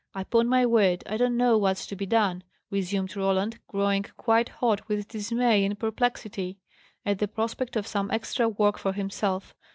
"Upon my word, I don't know what's to be done," resumed Roland, growing quite hot with dismay and perplexity, at the prospect of some extra work for himself.